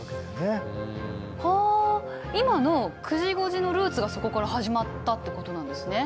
はあ今の９時５時のルーツがそこから始まったってことなんですね。